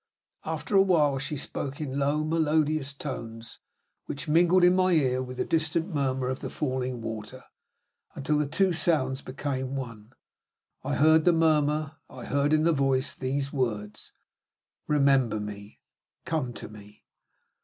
After a while, she spoke in low melodious tones, which mingled in my ear with the distant murmur of the falling water, until the two sounds became one. I heard in the murmur, I heard in the voice, these words: "Remember me. Come to me."